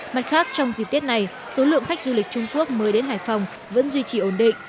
mặt khác trong dịp tiết này số lượng khách du lịch trung quốc mới đến hải phòng vẫn duy trì ổn định